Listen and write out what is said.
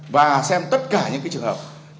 và xem tất cả những cái trường hợp